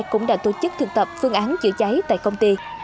cũng đã tổ chức thực tập phương án chữa cháy tại công ty